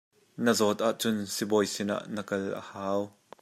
Na zawt ah cun sibawi sin ah na kal a hau.